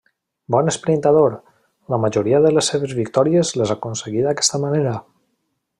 Bon esprintador, la majoria de les seves victòries les aconseguí d'aquesta manera.